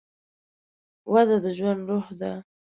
وده د ژوند روح ده.